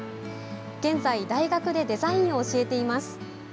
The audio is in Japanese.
現在、大学でデザインを教えています。